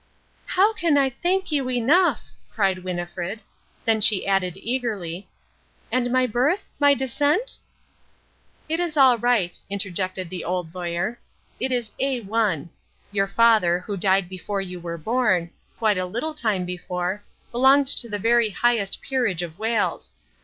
"How can I thank you enough?" cried Winnifred. Then she added eagerly, "And my birth, my descent?" "It is all right," interjected the Old Lawyer. "It is A 1. Your father, who died before you were born, quite a little time before, belonged to the very highest peerage of Wales.